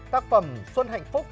tác phẩm xuân hạnh phúc